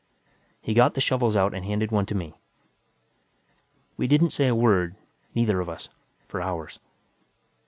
He got the shovels out and handed one to me. We didn't say a word, neither of us, for hours.